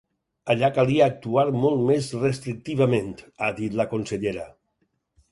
Allà calia actuar molt més restrictivament, ha dit la consellera.